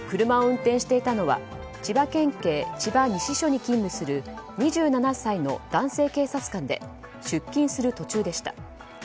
車を運転していたのは千葉県警千葉西署に勤務する２７歳の男性警察官で出勤する途中でした。